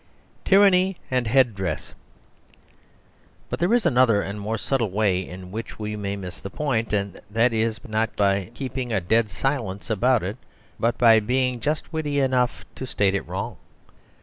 Tyranny and Head Dress But there is another and more subtle way in which we may miss the point; and that is, not by keeping a dead silence about it, but by being just witty enough to state it wrong.